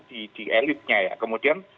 di elitnya ya kemudian